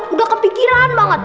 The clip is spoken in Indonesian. udah kepikiran banget